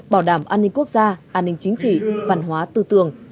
bảo đảm an ninh quốc gia an ninh chính trị văn hóa tư tường